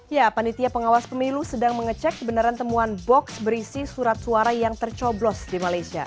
ya panitia pengawas pemilu sedang mengecek kebenaran temuan box berisi surat suara yang tercoblos di malaysia